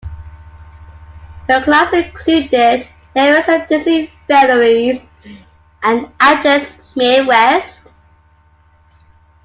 Her clients included the heiress Daisy Fellowes and actress Mae West.